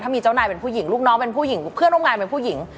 มีเจ้านายเป็นผู้หญิงลูกน้องเป็นผู้หญิงเพื่อนร่วมงานเป็นผู้หญิง